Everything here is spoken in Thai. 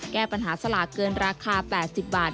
แก้ปัญหาสลากเกินราคา๘๐บาท